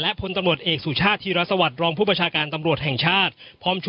แล้วเกี่ยวเลยครับนี่น่าเอาใช้เหรอคะ